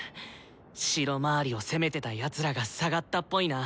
城まわりを攻めてたやつらが下がったっぽいな。